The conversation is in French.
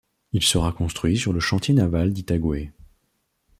Il sera construit sur le chantier naval d'Itaguaí.